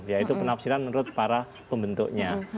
yaitu penafsiran menurut para pembentuknya